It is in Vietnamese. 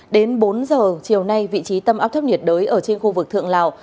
đến bốn giờ chiều nay vị trí tâm áp thấp nhiệt đới ở trên khu vực thượng lào